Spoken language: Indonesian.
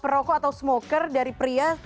perokok atau smoker dari pria